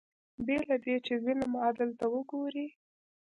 بې له دې چې ظلم عدل ته وګوري